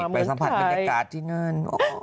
ไปสัมผัสบรรยากาศที่นั่น